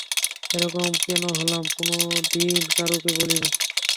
এরকম কেন হলাম কোনোদিন কারুকে বলিনি।